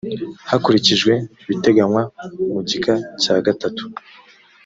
hakurikijwe ibiteganywa mu gika cya gatatu